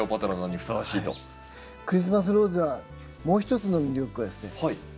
クリスマスローズはもう一つの魅力はですね